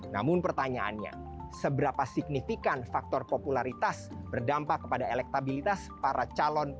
namun pertanyaannya seberapa signifikan faktor popularitas berdampak kepada elektabilitas para calon